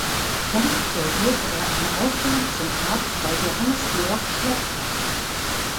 Dann absolvierte er eine Ausbildung zum Arzt bei Johannes Georg Schläpfer.